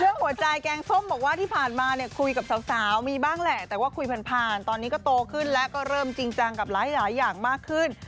หัวใจแกงส้มบอกว่าที่ผ่านมาเนี่ยคุยกับสาวมีบ้างแหละแต่ว่าคุยผ่านผ่านตอนนี้ก็โตขึ้นแล้วก็เริ่มจริงจังกับหลายอย่างมากขึ้น